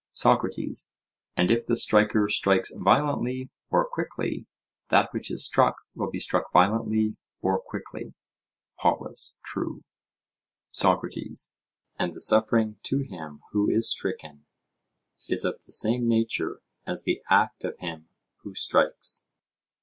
SOCRATES: And if the striker strikes violently or quickly, that which is struck will be struck violently or quickly? POLUS: True. SOCRATES: And the suffering to him who is stricken is of the same nature as the act of him who strikes?